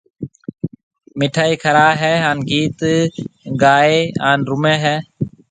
مِٺائِي کرائيَ ھيََََ ھان گيت ڪائيَ ھان رُمَي ھيََََ